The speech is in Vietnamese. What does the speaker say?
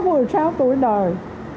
mới một mươi sáu tuổi đời